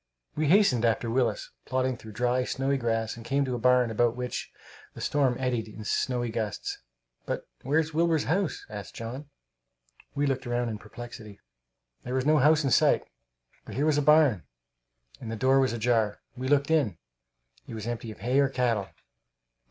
We hastened after Willis, plodding through dry, snowy grass, and came to a barn about which the storm eddied in snowy gusts. "But where's Wilbur's house?" asked John. We looked round in perplexity. There was no house in sight; but here was a barn, and the door was ajar. We went in. It was empty of hay or cattle.